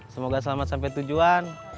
semoga selamat sampai tujuan